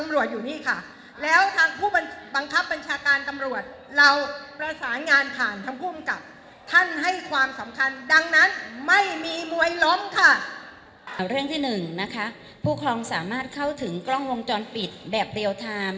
เรื่องที่๑นะคะผู้ครองสามารถเข้าถึงกล้องวงจรปิดแบบเรียลไทม์